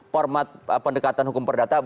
format pendekatan hukum perdata